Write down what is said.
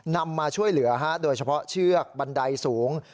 นำมาช่วยเหลือโดยเฉพาะเชือกบันไดสูง